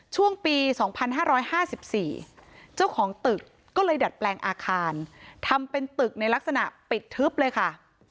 ช่วงปี๒๕๕๔เจ้าของตึกก็เลยดัดแปลงอาคารทำเป็นตึกในลักษณะปิดทึบเลยค่ะ